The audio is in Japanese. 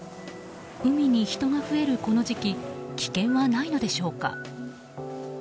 海に人が増えるこの時期危険はないのでしょうか。